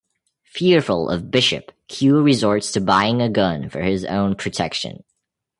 Fearful of Bishop, Q resorts to buying a gun for his own protection.